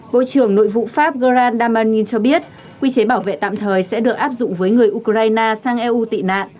bộ trưởng nội vụ pháp grand damanin cho biết quy chế bảo vệ tạm thời sẽ được áp dụng với người ukraine sang eu tị nạn